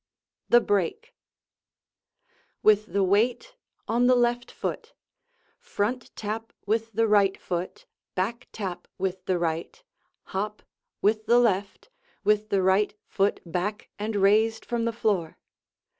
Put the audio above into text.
THE BREAK With the weight on the left foot, front tap with the right foot, back tap with the right, hop with the left, with the right foot back and raised from the floor.